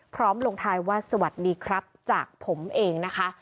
ลงท้ายว่าสวัสดีครับจากผมเองนะคะ